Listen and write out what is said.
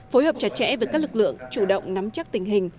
phối hợp chặt chẽ với các lực lượng chủ động nắm chắc tình hình